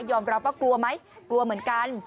รับว่ากลัวไหมกลัวเหมือนกัน